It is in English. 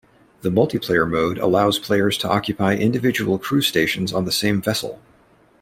The multi-player mode allows players to occupy individual crew stations on the same vessel.